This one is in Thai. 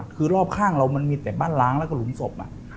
คือรอบข้างเรามันมีแต่บ้านล้างแล้วก็หลุมศพ